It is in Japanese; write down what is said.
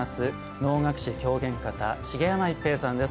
能楽師狂言方、茂山逸平さんです。